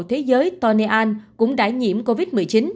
thế giới tony al cũng đã nhiễm covid một mươi chín